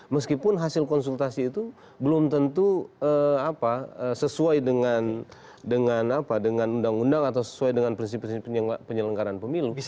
meskipun hasil konsultasi itu belum tentu sesuai dengan undang undang atau sesuai dengan prinsip prinsip penyelenggaran pemilu